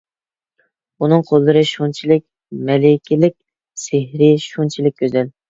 ئۇنىڭ قوللىرى شۇنچىلىك مەلىكىلىك، سېھرىي، شۇنچىلىك گۈزەل.